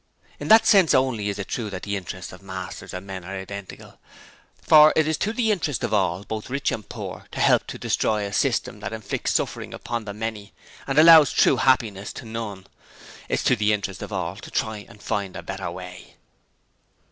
'In that sense only is it true that the interests of masters and men are identical, for it is to the interest of all, both rich and poor, to help to destroy a system that inflicts suffering upon the many and allows true happiness to none. It is to the interest of all to try and find a better way.'